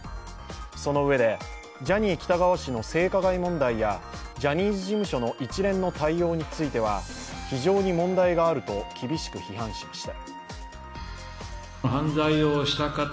そのうえで、ジャニー喜多川氏の性加害問題やジャニーズ事務所の一連の対応については非常に問題があると厳しく批判しました。